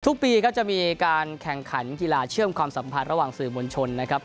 ทุกปีก็จะมีการแข่งขันกีฬาเชื่อมความสัมพันธ์ระหว่างสื่อมวลชนนะครับ